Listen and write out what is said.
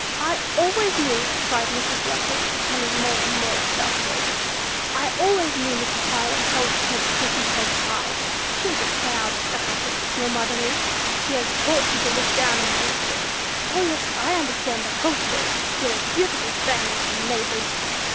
"I always knew," cried Mrs. Lovejoy, becoming more and more exasperated, "I always knew Mrs. Parlin held her head pretty high! She is a proud, stuck up woman, your mother is; she has taught you to look down on my little girl! O, yes, I understand the whole story! You're a beautiful family for neighbors!"